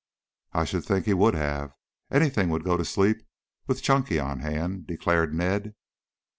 "I should think he would have. Anything would go to sleep with Chunky on hand," declared Ned.